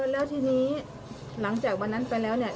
แล้วทีนี้หลังจากวันนั้นไปแล้วเนี่ย